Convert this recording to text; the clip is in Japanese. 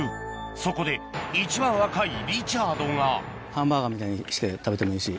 そこで一番若いリチャードがハンバーガーみたいにして食べてもいいし。